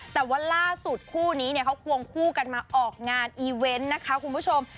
แต่ว่าล่าสุดคู่นี้เนี่ยเขาควงคู่กันมาออกงานอีเวนต์นะคะคุณผู้ชม